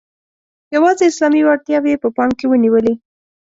یوازي اسلامي وړتیاوې یې په پام کې ونیولې.